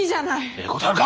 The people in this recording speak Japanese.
ええことあるか！